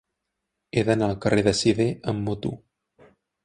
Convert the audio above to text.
He d'anar al carrer de Sidé amb moto.